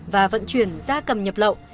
và vận chuyển ra cầm nhập lậu